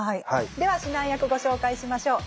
では指南役ご紹介しましょう。